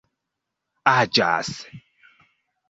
aĝas